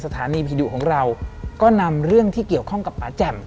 สถานีผีดุของเราก็นำเรื่องที่เกี่ยวข้องกับป่าแจ่ม